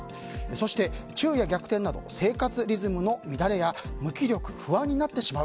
そして昼夜逆転など生活リズムの乱れや無気力、不安になってしまう